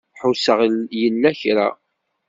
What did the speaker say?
Ḥusseɣ yella kra.